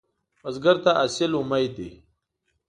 بزګر ته حاصل امید دی